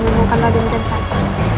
bukan radyen kian santang